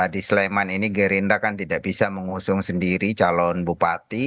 di sleman ini gerindra kan tidak bisa mengusung sendiri calon bupati